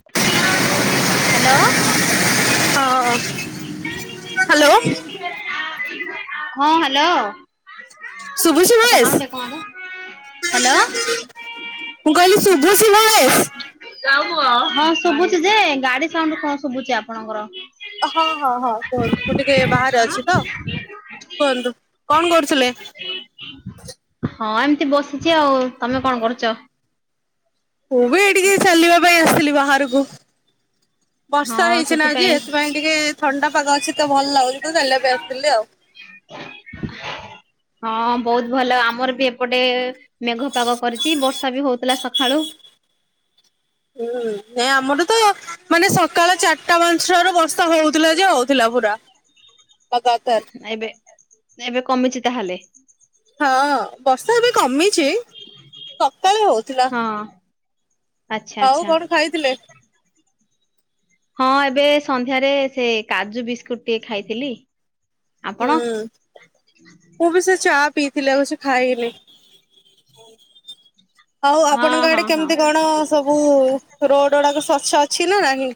Hello. [inaudible] ହଁ hello. ଅପା sound ଟିକେ ଶୁଭୁଛି ଭଏସ୍ କମା ତ ହ୍ୟାଲୋ। ମୁଁ କହିଲି ସୁଭୁଚି ଭଏସ୍। ହଁ ଶୁଭୁଛି ଯେ ଗାଡି ସାଉଣ୍ଡ କଣ ଶୁଭୁଛି ଆପଣଙ୍କର। ହଁ ହଁ ହଁ କୁହନ୍ତୁ ମୁଁ ଟିକେ ବାହାରେ ହଁ ଅଛି ତ। କୁହନ୍ତୁ କଣ କରୁଥିଲେ? ହଁ ଏମିତି ବସିଛି ଆଉ ତମେ କଣ କରୁଛ? ମୁଁ ବି ଏଇଠିକି ଚାଲିବା ପାଇଁ ଆସିଥିଲି ବାହାରକୁ ବର୍ଷା ହଁ ହେଇଛି ନା ଆଜି ସେଥିପାଇଁ ଏଥିପାଇଁ। ଟିକେ ଥଣ୍ଡା ପାଗ ଅଛି ତ ଭଲ୍ ଲାଗୁଛି ତ ଚାଲିବା ପାଇଁ ଆସିଥିଲି ଆଉ। ହଁ ବହୁତ ଭଲ ଆମର ବି ଏପଟେ ମେଘ ପାଗ କରିଛି ବର୍ଷା ବି ହଉଥିଲା ସକାଳୁ। ହୁଁ ଏ ଆମର ତ ମାନେ ସକାଳ ଚାର୍ ଟା ପାଞ୍ଚ୍ ଟାରୁ ବର୍ଷା ହଉଥିଲା ଯେ ହଉଥିଲା ପୁରା। [unintelligible] ଏବେ ଏବେ କମିଛି ତାହେଲେ? ହଁ ବର୍ଷା ଏବେ କମିଛି ସକାଳେ ହଉଥିଲା। ହଁ ଆଚ୍ଛା ଆଉ ଆଚ୍ଛା କଣ ଖାଇଥିଲେ? ହଁ ଏବେ ସନ୍ଧ୍ୟାରେ ସେ କାଜୁ ବିସ୍କୁଟ ଟିକେ ଖାଇଥିଲି। ହୁଁ ଆପଣ ମୁଁ ବି ସେ ଚା ପିଇଥିଲି ଆଉ କିଛି ଖାଇନି। ଆଉ ହଁ ଆପଣଙ୍କ ଆଡେ ହଁ ହଁ କେମିତି କଣ ସବୁ। ରୋଡ ଗୁଡାକ ସ୍ଵଚ୍ଛ ଅଛି ନା ନାହିଁ?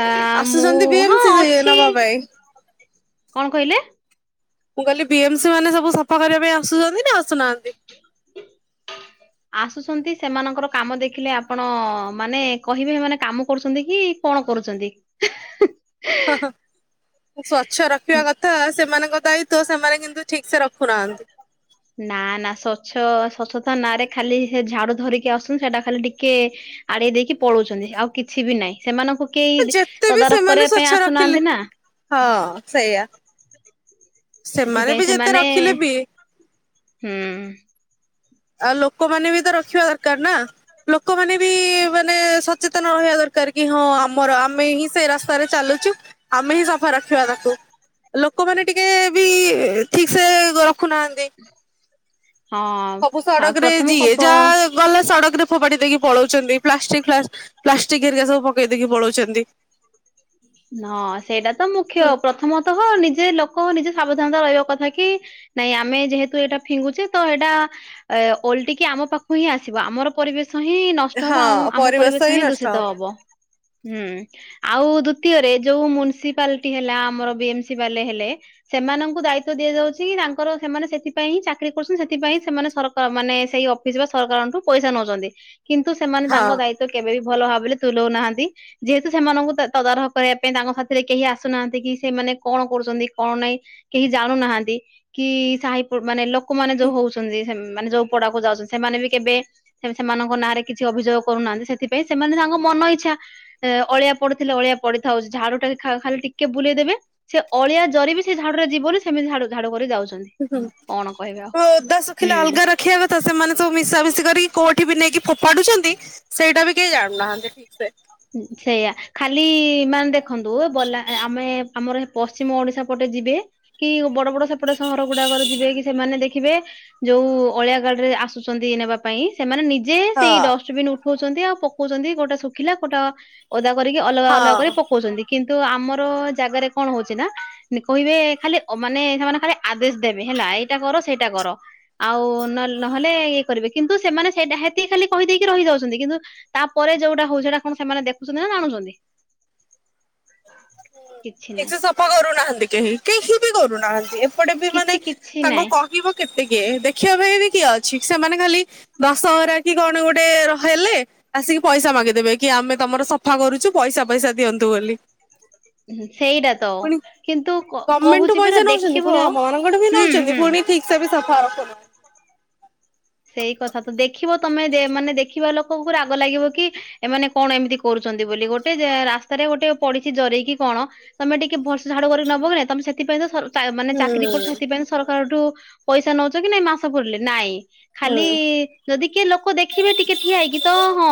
ଆଁ ମୁଁ ଆସୁଛନ୍ତି ବି ଏମ ହଁ ସି ଅଛି ନବା ପାଇଁ। କଣ କହିଲେ? ମୁଁ କହିଲି ବି ଏମସ ମାନେ ସବୁ ସଫା କରିବା ପାଇଁ ଆସୁଛନ୍ତି ନା ଆସୁନାହାନ୍ତି? [inaudible] ଆସୁଛନ୍ତି ସେମାନଙ୍କର କାମ ଦେଖିଲେ ଆପଣ ମାନେ କହିବେ ସେମାନେ କାମ କରୁଛନ୍ତି କି? କଣ କରୁଛନ୍ତି? ହଁ ହଁ। ସ୍ଵଚ୍ଛ ରଖିବା କଥା ସେମାନଙ୍କ ଦାୟିତ୍ଵ ସେମାନେ କିନ୍ତୁ ଠିକ ସେ ରଖୁନାହାନ୍ତି। ନା ନା ସ୍ଵଚ୍ଛ ସ୍ଵଚ୍ଛତା ନାଁ ରେ ଖାଲି ସେ ଝାଡୁ ଧରିକି ଆସୁଛନ୍ତି ସେଇଟା ଖାଲି ଟିକେ ଆଡେଇ ଦେଇକି ପଳଉଛନ୍ତି ଆଉ କି କିଛି ବି ନହିଁ ସେମାନଙ୍କୁ କେହି ଯେତେ ବି ତଦାରଖ ସେମାନେ କରିବା ପାଇଁ ସ୍ଵଚ୍ଛ ରଖିଲେ ଆସୁନାହାନ୍ତି ନା। ହଁ ସେଇଆ ସେମାନେ ସେଥିପାଇଁ ବି ଯେତେ ସେମାନେ ରଖିଲେ ବି। ହୁଁ। ଆଉ ଲୋକମାନେ ବି ତ ରଖିବା ଦରକାର ନା ଲୋକମାନେ ବି ମାନେ ସଚେତନ ରହିବା ଦରକାର। କରିକି ହଁ ଆମର ଆମେ ହିଁ ସେ ରାସ୍ତାରେ ଚାଲୁଛୁ ଆମେ ହିଁ ସଫା ରଖିବା ତାକୁ, ଲୋକମାନେ ଟିକେ ବି ଠିକ ସେ ରଖୁନାହାନ୍ତି। ହଁ ସବୁ ହଁ ସଡ଼କ ରେ ଯିଏ ପ୍ରଥମ ଯାହା ଗଲେ ସଡ଼କରେ ଫୋପାଡି ଦେଇକି ପଳଉଛନ୍ତି। ପ୍ଲାଷ୍ଟିକ ପ୍ଲାଷ୍ଟିକ ହରିକା ସବୁ ପକେଇ ଦେଇକି ପଳଉଛନ୍ତି। ହଁ ସେଇଟା ତ ମୁଖ୍ୟ ପ୍ରଥମତଃ ହ ନିଜେ ଲୋକ ନିଜେ ସାବଧାନତା ରହିବା କଥା କି ନାଇଁ ଆମେ ଯେହେତୁ ଏଇଟା ଫିଙ୍ଗୁଚେ ତ ଏଇଟା ଏ ଓଲଟିକି ଆମ ପାଖକୁ ହିଁ ଆସିବ, ଆମର ପରିବେଶ ହିଁ ନଷ୍ଟ ହବ, ଆଉ ଆମ ପରିବେଶ ହିଁ ଦୂଷିତ ହବ ହୁଁ ଆଉ ଦୁତ୍ ଦ୍ଵିତିୟରେ ଯୋଉ ମ୍ୟୁନିସିପାଲିଟି ହେଲା ଆମର ବି ଏମ ସି ବାଲେ ହେଲେ ସେମାନଙ୍କୁ ଦାୟିତ୍ଵ ଦିଆଯାଉଛି ତାଙ୍କର ସେମାନେ ସେଥିପାଇଁ ହିଁ ଚାକିରି କରୁଛନ୍ତି। ସେଥିପାଇଁ ସେମାନେ ସରକାର ମାନେ ସେଇ ଅଫିସ ବା ସରକାରଙ୍କଠୁ ପଇସା ନଉଛନ୍ତି। କିନ୍ତୁ ସେମାନେ ହଁ। ତାଙ୍କ ଦାୟିତ୍ଵ କେବେ ବି ଭଲ ଭାବରେ ତୁଲଉ ନାହାନ୍ତି। ଯେହେତୁ ସେମାନଙ୍କୁ ତଦାରଖ କରିବା ପାଇଁ ତାଙ୍କ ସାଥିରେ କେହି ଆସୁନାହାନ୍ତି କି ସେମାନେ କଣ କରୁଛନ୍ତି କଣ ନାଇଁ କେହି ଜାଣୁନାହାନ୍ତି? କି ସାହି ମାନେ ଲୋକମାନେ ଯୋଉ ହଉଛନ୍ତି ସେ ମାନେ ଯୋଉ ପଡାକୁ ଯାଉଛନ୍ତି ସେମାନେ ବି କେବେ ସେମାନଙ୍କ ନାଁରେ କିଛି ଅଭିଯୋଗ କରୁନାହାନ୍ତି। ସେଥିପାଇଁ ସେମାନେ ତାଙ୍କ ମନ ଇଚ୍ଛା ଅଳିଆ ପଡିଥିଲେ ଅଳିଆ ପଡିଥାଉଛି ଝାଡ଼ୁ ଟା ଖାଲି ଟିକେ ବୁଲେଇଦେବେ ସେ ଅଳିଆ ଜରିି ବି ସେ ଝାଡୁରେ ଯିବନି ସେମିତି ଝାଡୁ ଝାଡୁ କରି ଯାଉଛନ୍ତି। ହୁ, କଣ କହିବେ ଆଉ ହୁଁ ଓଦା ଶୁଖିଲା ହୁଁ। ଅଲଗା ରଖିବା କଥା ସେମାନେ ସବୁ ମିଶାମିଶି କରି କୋଉଠି ବି ନେଇକି ଫୋପାଡୁଛନ୍ତି ସେଇଟା ବି କେହି ଜାଣୁନାହାନ୍ତି ଠିକ ସେ ସେଇଆ, ଖାଲି ମାନେ ଦେଖନ୍ତୁ ବଲା ଆମେ ଆମର ପଶ୍ଚିମ ଓଡିଶା ପଟେ ଯିବେ କି ବଡ ବଡ ସେପଟେ ସହର ଗୁଡାକରେ ଯିବେ କି ସେମାନେ ଦେଖିବେ ଯୋଉ ଅଳିଆ ଗାଡ ରେ ଆସୁଛନ୍ତି ନେବା ପାଇଁ ସେମାନେ ନିଜେ ସେଇ ହଁ ଡଷ୍ଟବିନ ଉଠଉଛନ୍ତି ଆଉ ପକଉଛନ୍ତି କୋଉଟା ଶୁଖିଲା କୋଉଟା ଓଦା କରିକି ଅଲଗା ଅଲଗା କରି ହଁ। ପକଉଛନ୍ତି, କିନ୍ତୁ ଆମର ଜାଗାରେ କଣ ହଉଛି ନା? କହିବେ ଖାଲି ମାନେ ସେମାନେ ଖାଲି ଆଦେଶ ଦେବେ ହେଲା ଏଇଟା କର ସେଇଟା କର ଆଉ ନ ନହେଲେ ଇଏ କରିବେ କିନ୍ତୁ ସେମାନେ ସେଇଟା ହେତିକି ଖାଲି କହିଦେଇକି ରହିଯାଉଛନ୍ତି କିନ୍ତୁ ତାପରେ ଯୋଉଟା ହଉଚି ସେଟା କଣ ସେମାନେ ଦେଖୁଛନ୍ତି ନା ଜାଣୁଛନ୍ତି, କିଛି ନାହିଁ ଠିକସେ ସଫା କରୁନାହାନ୍ତି କେହି କେହି ବି କରୁନାହାନ୍ତି ସେପଟେ ବି ମାନେ କିଛି କିଛି ତାଙ୍କୁ ନାହିଁ କହିବ କେତ କିଏ ଦେଖିବା ପାଇଁ ବି କିଏ ଅଛି ସେମାନେ ଖାଲି ଦଶହରା କି କଣ ଗୋଟେ ର ହେଲେ ଆସିକି ପଇସା ମାଗିଦେବେ କି ଆମେ ତମର ସଫା କରୁଛୁ। ପଇସା, ପଇସା ଦିଅନ୍ତୁ ବୋଲି। ସେଇଟା ତ ପୁଣି କିନ୍ତୁ ଗମେଣ୍ଟୁ କହୁଛି ପରା ପଇସା ନଉଛନ୍ତି ପୁଣି ଦେଖିବ ଆମ ମାନଙ୍କଠୁ ବି ହୁଁ ନଉଛନ୍ତି ହୁଁ ପୁଣି ଠିକ ସେ ବି ସଫା ର କର। ସେଇ କଥା ତ ଦେଖିବ ତମେ ମାନେ ଦେଖିବା ଲୋକଙ୍କୁ ରାଗ ଲାଗିବ କି ଏମାନେ କଣ ଏମିତି କରୁଛନ୍ତି ବୋଲି ଗୋଟେ ରାସ୍ତାରେ ଗୋଟେ ପଡିଛି ଜରେଇକି କଣ। ତମେ ଟିକେ ଭଲସେ ଝାଡୁ କରିକି ନବ ନା ତମେ ସେଥିପାଇଁ ମାନେ ହୁଁ ଚାକିରି କରୁଛ ସେଥିପାଇଁ ସରକାରଠୁ ପଇସା ନଉଛ କି ନାଇଁ, ମାସ ପୁରିଲେ ନାଇଁ ଖାଲି ହୁଁ। ଯଦି କିଏ ଲୋକ ଦେଖିବେ ଟିକେ ଠିଆ ହେଇକି ତ ହଁ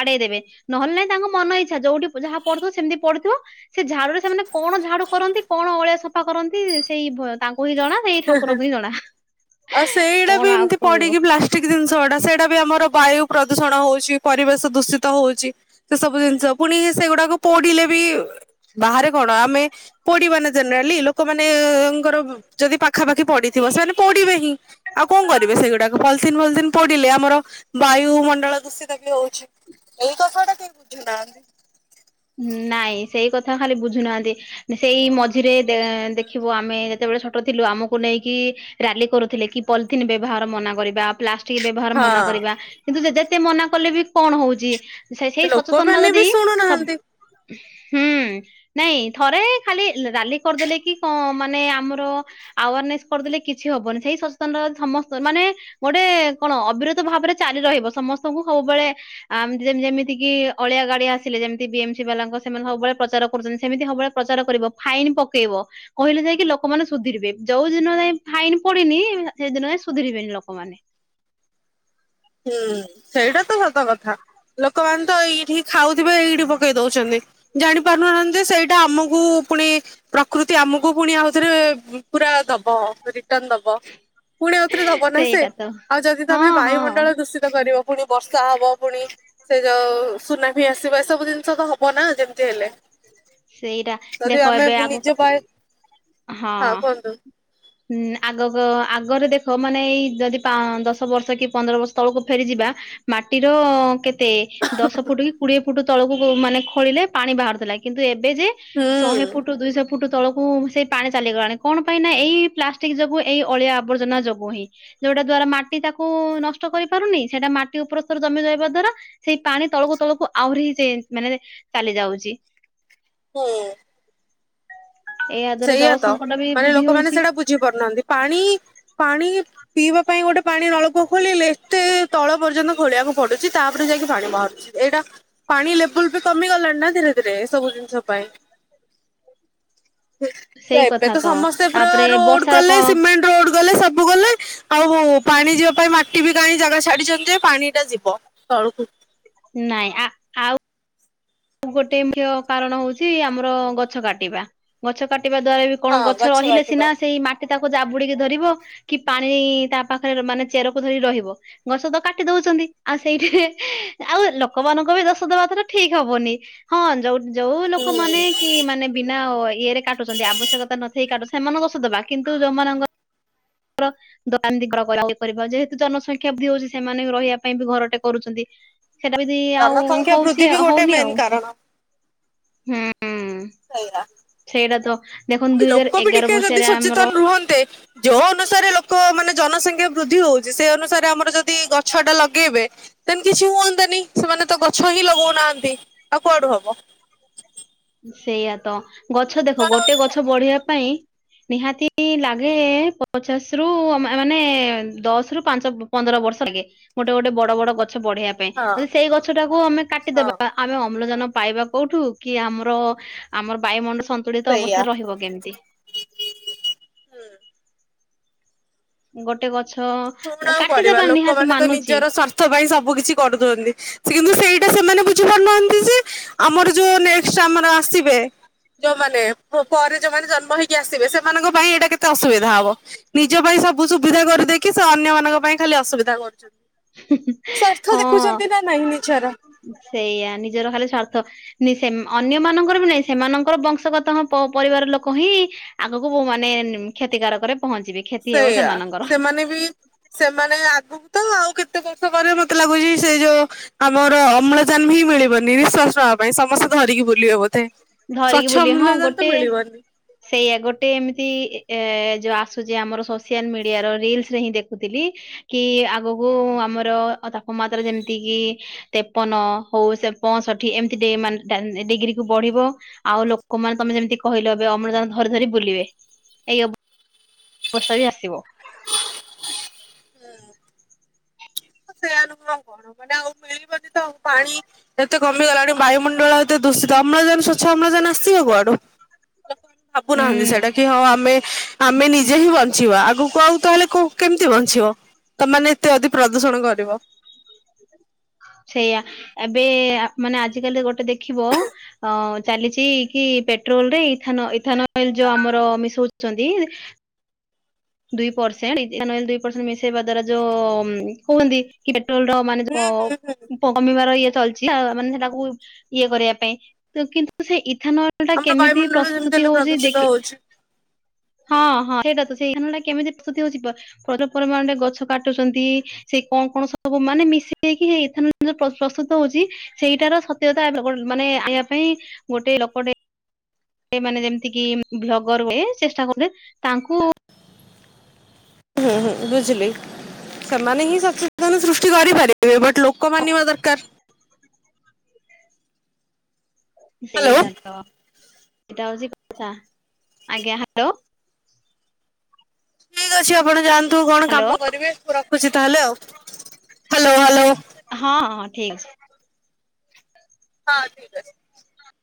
ଆଡେଇ ଦେବେ, ନହେଲେ ନାଇଁ ତାଙ୍କ ମନ ଇଚ୍ଛା ଯୋଉଠି ଯାହା ପଡୁଥିବ ସେମିତି ପଡିୁଥିବ ସେ ଝଡୁରେ ସେମାନେ କଣ ଝାଡୁ କରନ୍ତି କଣ ଅଳିଆ ସଫା କରନ୍ତି ସେଇ ତାଙ୍କୁ ହିଁ ଜଣା ସେ ଏଇ ଠାକୁରଙ୍କୁ ହିଁ ଜଣା କଣ ଆଉ କହିବ? ଠିକ ଜିନିଷ [unintelligible] ସେଇଟା ବି ଆମର ବାୟୁ ପ୍ରଦୂଷଣ ହଉଛି ପରିବେଶ ଦୂଷିତ ହଉଛି। ସେ ସବୁ ଜିନିଷ ପୁଣି ସେଗୁଡାକୁ ପୋଡିଲେ ବି ବାହାରେ କଣ ଆମେ ପୋଡିବାନା ଜେନେରାଲି ଲୋକମାନୋଏଁଙ୍କର। ଯଦି ପାଖାପାଖି ପଢିଥିବ ସେମାନେ ପଢିବେ ହିଁ। ଆଉ କଣ କରିବେ ସେଗୁଡାକ ପଲିଥିନ୍ ଫଲିଥିିନ୍ ପଡିଲେ ଆମର ବାୟୁମଣ୍ଡଳ ଦୂଷିତ ବି ହଉଛି। ଏଇ କଥା ଟା କେହି ବୁଝୁନାହାନ୍ତି। ନାଇଁ ସେଇ କଥା ଖାଲି ବୁଝୁନାହାନ୍ତି। ସେଇ ମଝିରେ ଦେ ଦେଖିବୁ ଆମେ ଯେତେବେଳେ ଛୋଟ ଥିଲୁ ଆମକୁ ନେଇକି ରାଲି କରୁଥିଲେ କି ପଲିଥିନ୍ ବ୍ୟବହାର ମନା କରିବା ପ୍ଳାସ ଟିକ ବ୍ୟବହାର ମନା କରିବା ହଁ କିନ୍ତୁ ଯେ ଯେତେ ମନା କଲେ ବି କଣ ହଉଛି। ସେ ସେଇ ସଚେତନତା ଲୋକମାନେ ଯଦି ବି ସବ୍ ଶୁଣୁନାହାନ୍ତି ହୁଁ। ନାଇଁ ଥରେ ଖାଲି ଲା ରାଲି କରିଦେଲେ କି କଣ ମାନେ ଆମର ଆୱାରନେସ୍ କରିଦେଲେ କିଛି ହବନି ସେଇ ସଚେତନତା ସମସ୍ତ ମାନେ ଗୋଟେ କଣ ଅବିରତ ଭାବରେ ଚାଲି ରହିବ ସମସ୍ତଙ୍କୁ ସବୁବେଳେ ଆମ ଯେମ ଯେମିତି କିି ଅଳିଆ ଗାଡି ଆସିଲେ ଯେମିତି ବିଏମ୍ ସି ବାଲାଙ୍କ ସେମାନେ ସବୁବେଳେ ପ୍ରଚାର କରୁଛନ୍ତି ସେମିତି ସବୁବେଳେ ପ୍ରଚାର କରିବ ଫାଇନ ପକେଇବ। କହିଲେ ଯାଇକି ଲୋକମାନେ ସୁଧୁରିବେ ଯୋଉ ଦିନ ଯାଏ ଫାଇନ ପଡିନି ସେଇଦିନ ଯା ସୁଧରିବେନି ଲୋକମାନେ। ହୁଁ ସେଇଟା ତ ସତ କଥା ଲୋକମାନେ ତ ଏଇଠି ଖାଉଥିବେ ଏଇଠି ପକେଇ ଦଉଛନ୍ତି। ଜାଣି ପାରୁନାହାନ୍ତି ସେଇଟା ଆମକୁ ପୁଣି ପ୍ରକୃତି ଆମକୁ ପୁଣି ଆଉଥରେ ବ ପୁରା ଦବ ରିଟର୍ଣ ଦବ। ବ ପୁଣି ଆଉଥରେ ଦବ ନା ସେ ସେଇଟା ତ ଆଉ ଯଦି ହଁ ତମେ ହଁ ବାୟୁମଣ୍ଡଳ ଦୂଷିତ କରିବ ପୁଣି ବର୍ଷା ହବ ପୁଣି ସେ ଯୋଉ ସୁନାମି ଆସିବ ଏ ସବୁ ଜିନିଷ ତ ହବ ନା ଯେମିତି ହେଲେ। ସେଇଟା ଦେଖ ଯଦି ଆମେ ଏବେ ନିଜ ଆଗକୁ ବାଣୁ ହଁ କୁହନ୍ତୁ? ହୁଁ ଆଗକୁ ଆଗରେ ଦେଖ ମାନେ ଏଇ ଯଦି ପାଂ ଦଶ ବର୍ଷ କି ପନ୍ଦର ବର୍ଷ ତଳକୁ ଫେରିଯିବା। ମାଟିର କେତ ତେ ଦଶ ଫୁଟ କି କୋଡିଏ ଫୁଟ ତଳକୁ ଯଉ ମାନେ ଖୋଳିଲେ ପାଣି ବାହାରୁଥିଲା କିନ୍ତୁ ଏବେ ଯେ ହୁଁ ଶହେ ଫୁଟ ଦୁଇ ଶହେ ଫୁଟ ତଳକୁ ସେଇ ପାଣି ଚାଲିଗଲାଣି କଣ ପାଇଁ ନା ଏଇ ପ୍ଲାଷ୍ଟିକ ଯୋଗୁ ଏଇ ଅଳିଆ ଆବର୍ଜନା ଯୋଗୁ ହିଁ। ଯୋଉଟା ଦ୍ଵାରା ମାଟି ତାକୁ ନଷ୍ଟ କରିପାରୁନି ସେଇଟା ମାଟି ଉପରସ୍ତର ଜମି ରହିବା ଦ୍ଵାରା ସେଇ ପାଣି ତଳକୁ ତଳକୁ ଆହୁରି ହିଁ ସେ ମାନେ ଚାଲି ଯାଉଛି। ହୁଁ। ଏହା ଦ୍ଵାରା ଜଳ ସେଇଆା ତ ସଙ୍କଟ ବି ମାନେ ବୃଦ୍ଧି ଲୋକମାନେ ହଉଛି। ସେଟା ବୁଝି ପାରୁନାହାନ୍ତି ପାଣି ପାଣି ପିଇବା ପାଇଁ ଗୋଟେ ପାଣି ନଳକୂଆ ଖୋଳିଲେ ଏତେ ତଳ ପର୍ଯ୍ୟନ୍ତ ଖୋଳିବାକୁ ପଡୁଛି ତାପରେ ଯାଇକି ପାଣି ବାହାରୁଛି। ଏଇଟା ପାଣି ଲେବୁଲ ବି କମି ଗଲାଣି ନା ଧୀରେ ଧୀରେ ଏ ସବୁ ଜିନିଷ ପାଇଁ‌। ସେ ସେଇ ଏବେ କଥା ତ ସମସ୍ତେ ପୁରା ତାପରେ ରୋଡ ବର୍ଷାର କଲେ କଣ ସିମେଣ୍ଟ ରୋଡ କଲେ ସବୁ କଲେ। ଆଉ ପାଣି ଯିବା ପାଇଁ ମାଟି ବି କାଇଁ ଜାଗା ଛାଡିଛନ୍ତି ଯେ ପାଣି ଟା ଯିବ ତଳକୁ। ନାଇଁ ଆ ଆଉ ଗୋଟେ ମୁଖ୍ୟ କାରଣ ହଉଛି ଆମର ଗଛ କାଟିବା ଗଛ କାଟିବା ଦ୍ଵାରା ବି କଣ ହଁ ଗଛ ରହିଲେ କାଟିବା ସିନା ସେଇ ମାଟି ତାକୁ ଜାବୁଡିକି ଧରିବ। କି ପାଣି ତା ପାଖରେ ର ମାନେ ଚେରକୁ ଧରି ରହିବ। ଗଛ ତ କାଟି ଦଉଛନ୍ତି ଆଉ ସେଇଠିରେ ଆଉ ଲୋକମାନଙ୍କୁ ବି ଦୋଷ ଦବାଥର ଠିକ ହବ ହବନି ହଁ ଯୋ ଯୋଉ ଲୋକ ମାନେ କି ମାନେ ବିନା ଅ ଇଏରେ କାଟୁଛନ୍ତି ଆବଶ୍ୟକତା ନଥାଇ କାଟୁ ସେମାନଙ୍କୁ ଦୋଷ ଦେବା କିନ୍ତୁ ଯେଉଁମାନଙ୍କ [unintelligible] [unintelligible] ଯେହେତୁ ଜନସଂଖ୍ୟା ବୃଦ୍ଧି ହଉଛି ସେମାନେ ବି ରହିବା ପାଇଁ ବି ଘରଟେ କରୁଛନ୍ତି। ସେଟା ବି ଆଉ ଜନସଂଖ୍ୟା ବୃଦ୍ଧି ହଉଛି ବି ଗୋଟେ ହଉନି ମେନ୍ ଆଉ କାରଣ ହୁଁ ହୁଁ। ସେଇଆ‌। ସେଇଟା ତ ଦେଖନ୍ତୁ ଦୁଇ ହଜାର ଲୋକ ବି ଏଗାର ଟିକେ ଯଦି ମସିହାରେ ଆମର ସଚେତନ ରୁହନ୍ତେ ଯୋଉ ଅନୁସାରେ ଲୋକ ମାନେ ଜନସଂଖ୍ୟା ବୃଦ୍ଧି ହୋଉଚି ସେ ଅନୁସାରେ ଆମର ଯଦି ଗଛ ଟା ଲଗେଇବେ ତ କିଛି ହୁଅନ୍ତାନି ସେମାନେ ତ ଗଛ ହିଁ ଲଗଉନାହାନ୍ତି ଆଉ କୁଆଡୁ ହବ। ସେଇଆ ତ ଗଛ ଦେଖ ଗୋଟେ ଗଛ ବଢିବା ପାଇଁ ନିହାତି ଲାଗେ ପଚାଶ ରୁ ମାନେ ଦଶ ରୁ ପାଞ୍ଚ ପନ୍ଦର ବର୍ଷ ଲଗେ ଗୋଟେ ଗୋଟେ ବଡ଼ ବଡ଼ ଗଛ ହଁ ବଢ଼ିଆ ସେଇ ଗଛଟାକୁ ଆମେ ହଁ କାଟିଦବା ଆମେ ଅମ୍ଳଜାନ ପାଇବା କୋଉଠୁ କି ଆମର ଆମ ଆମର ବାୟୁମଣ୍ଡଳ ସନ୍ତୁଳିତ ସେଇଆ। ଅବସ୍ଥାରେ ରହିବ କେମିତି ଗୋଟେ ଗଛ ଶୁଣ ଆଉ କରିବା କାଟିଦେବା ନିହାତି ଲୋକମାନେ ତ ମାନୁଛି ନିଜର ସ୍ଵା ପାଇଁ ସବୁ କିଛି କରୁନ୍ତି କିନ୍ତୁ ସେଇଟା ସେମାନେ ବୁଝିପାରୁନାହାନ୍ତି ଯେ ଆମର ଯୋଉ ନେଷ୍ଟେ ଆମର ଆସିବେ ଯୋଉମାନେ ପରେ ଯୋଉମାନେ ଜନ୍ମ ହେଇକି ଆସିବେ ସେମାନଙ୍କ ପାଇଁ ଏଇଟା କେତେ ଅସୁବିଧା ହବ। ନିଜ ପାଇଁ ସବୁ ସୁବିଧା କରିଦେଇ କି ସେ ଅନ୍ୟମାନଙ୍କ ପାଇଁ ଖାଲି ଅସୁବିଧା କରୁଛନ୍ତି ସ୍ଵାଥ ହଁ ଦେଖୁଛନ୍ତି ନା ନାଇଁ ନିଜର ସେଇଆ ନିଜର ଖାଲି ସ୍ଵାର୍ଥ ସେ ଅନ୍ୟ ମାନଙ୍କର ବି ନାଇଁ ସେମାନଙ୍କର ବଂଶଗତ ହଁ ପରିବାର ଲୋକ ହିଁ ଆଗକୁ ମୁଁ ମାନେ କ୍ଷତିକାରକରେ ପହଞ୍ଚିବେ। ହେବ ସେଇଆ ସେମାନଙ୍କର। ସେମାନେ ବି ସେମାନେ ଆଗ ତ ଆଉ କେତେ ବର୍ଷ ପରେ ମତେ ଲାଗୁଚି ସେ ଯୋଉ ଆମର ଅମ୍ଳଜାନ ହିଁ ମିଳିବନି ନିଃଶ୍ଵାସ ନେବା ପାଇଁ ସମସ୍ତେ ଧରିକି ବୁଲିବ ବୋଧେ। ସ୍ଵଚ୍ଛ ଅମ୍ଲଜାନ ତ ମିଳିବନି। ସେଇୟା ଗୋଟେ ଏମିତି ଏ ଯୋଉ ଆସୁଚି ଆମର ସୋସିଆଲ ମିଡିଆର ରିଲସ ରେ ହିଁ ଦେଖୁଥିଲି କି ଆଗକୁ ଆମର ତାପମାତ୍ରା ଯେମିତି କିି ତେପନ ହୋଉ ସେ ପଞ୍ଚଷଠି ଏମିତି ଡେ ଡିଗ୍ରୀ କୁ ବଢିବ। ଆଉ ଲୋକମାନେ ତମେ ଯେମିତି କହିଲ ଏବେ ଅମ୍ଲଜାନ ଧରି ଧରି ବୁଲିବେ ଏଇ ଅବସ୍ଥା ବି ଆସିବ। ସେଇ ଅନୁହୁଁ ଆଉ କଣ ମାନେ ଆଉ ମିଳିବନି ତ ଆଉ ପାଣି ଏତେ କମିଗଲାଣି ବାୟୁମଣ୍ଡଳ କେତେ ଦୂଷିତ ଅମ୍ଲଜାନ ସୋଛ ଅମ୍ଲଜାନଆସିବ କୁଆଡୁ ଲୋକେ ଭାବୁନାହାନ୍ତି ହୁଁ। ସେଆଡେ଼ କି ହୋଉ ଆମେ ଆମେ ନିଜେ ହିଁ ବଞ୍ଚିବା ଆଗକୁ ଆକୁ ତାହେଲେ କେମିତି ବଞ୍ଚିବ। ତମାନେ ଏତେ ଅଧିକ ପ୍ରଦୂଷଣ କରିବ। ସେଇଆ ଏବେ ମାନେ ଆଜିକାଲି ଗୋଟେ ଦେଖିବ ଅ ଚାଲିଚି କି ପେଟ୍ରୋଲ ରେ ଇ ଇଥାନ ଅଏଲ ଯୋଉ ଆମର ମିସୋଉଚନ୍ତି। ଦୁଇ ପରସେଣ୍ଟ ଦୁଇ ପରସେଣ୍ଟ ମିସେଇ ବା ଦ୍ବାରା ଯୋଉ କୁହନ୍ତି କି ପେଟ୍ରୋଲର ମାନେ ହୁଁ ତ ପ କମିବାର ଇଏ ଚାଲିଚି ମାନେ ସେଟାକୁ ଇଏ କରିବା ପାଇଁ ତ କିନ୍ତୁ ସେ ଇଥାନ ଆମର କେମିତି ବାୟୁମଣ୍ଡଳ ଯେମିତି ପ୍ରସ୍ତୁତି ହେଲେ ହୋଉଚି ପ୍ରଦୂଷିତ ଦେଖ ହଉଛି। ହଁ ହଁ ସେଟା ତ ସେଇ ଟା କେମିତି ପ୍ରସ୍ତୁତି ହୋଉଚି ପରିମାଣରେ ଗଛ କାଟୁଚନ୍ତି ସେଇ କଣ କଣ ସବୁ ମାନେ ମିଶିକିଇ ଏଥାନ ପ୍ରସ୍ତୁତ ହୋଉଚି ସେଇଟାର ସତ୍ୟତା ମାନେ ଆଣିବା ପାଇଁ ଗୋଟେ ଲୋକଟେ ସେ ମାନେ ଯେମିତି କି ଭୋଗରୁ ହୁଏ ଚେଷ୍ଟା କରୁ ତାଙ୍କୁ ହୁଁ ହୁଁ ବୁଝିଲି ସେମାନେ ହିଁ ସଚେତନ ସୃଷ୍ଟି କରିପାରିବେ। ବାଟ୍ ଲୋକ ମାନିବା ଦରକାର। ହ୍ୟାଲୋ ସେଇଟା ତ ସେଇଟା ହଉଛି କଥା। ଆଜ୍ଞା ହାଲୋ। ଠିକ୍ ଅଛି ଆପଣ ଯାଆନ୍ତୁ କଣ ହ୍ୟାଲୋ କାମ କରିବେ ମୁଁ ରଖୁଛି ତାହେଲେ ଆଉ। Hello hello. ହଁ ହଁ, ଠିକ୍ ଅଛି। ହଁ ଠିକ୍ ଅଛି।